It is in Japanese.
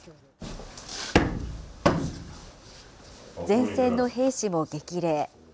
前線の兵士も激励。